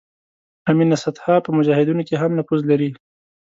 امینست ها په مجاهدینو کې هم نفوذ لري.